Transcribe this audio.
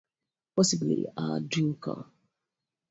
Possibly a drinker.